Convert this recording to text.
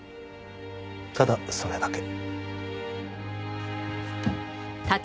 ただそれだけ。